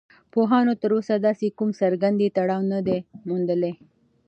پوهانو تر اوسه داسې کوم څرگند تړاو نه دی موندلی